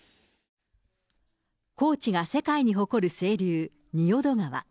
高知が世界に誇る清流、仁淀川。